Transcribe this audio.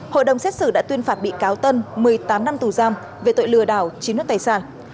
hội đồng xét xử đã tuyên phạt bị cáo tân một mươi tám năm tù giam về tội lừa đảo chiếm đất tài sản